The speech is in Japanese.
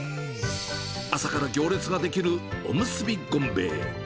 朝から行列が出来る、おむすび権米衛。